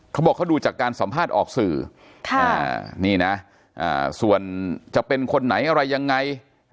เขาบอกเขาดูจากการสัมภาษณ์ออกสื่อนี่นะส่วนจะเป็นคนไหนอะไรยังไง